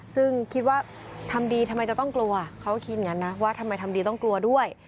ซึ่งคิดว่าทำดีทำไมจะต้องกลัวเขาก็คิดอย่างนั้นนะว่าทำไมทำดีต้องกลัวด้วย